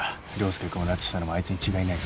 椋介君を拉致したのもあいつに違いない。